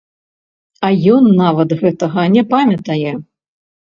А ён нават гэтага не памятае.